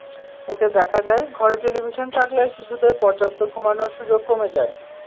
এতে দেখা যায়, ঘরে টেলিভিশন থাকলে শিশুদের পর্যাপ্ত ঘুমানোর সুযোগ কমে যায়।